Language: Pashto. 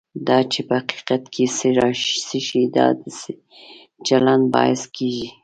دا چې په حقیقت کې څه شی د داسې چلند باعث کېږي.